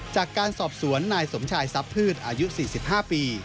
จากการสอบสวนนายสมชายซับพืชอายุ๔๕ปี